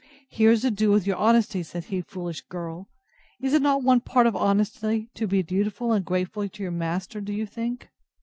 Here's ado with your honesty, said he, foolish girl! Is it not one part of honesty to be dutiful and grateful to your master, do you think?